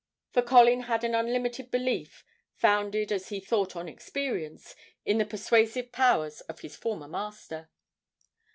For Colin had an unlimited belief, founded as he thought on experience, in the persuasive powers of his former master.